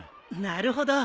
なるほど。